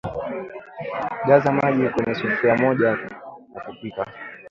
jaza maji kwenye sufuria kubwa ya kupikia